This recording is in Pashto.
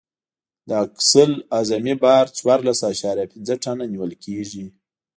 د اکسل اعظمي بار څوارلس اعشاریه پنځه ټنه نیول کیږي